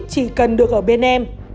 chị cần được ở bên em